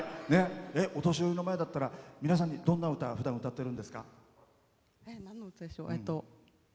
お年寄りの前だったら、皆さんにどんな歌ふだん歌ってるんですか？